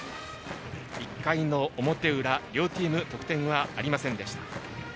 １回の表裏、両チーム得点はありませんでした。